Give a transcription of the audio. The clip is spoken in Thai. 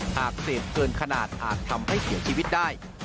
หากเสพเกินขนาดอาจทำให้เสียชีวิตได้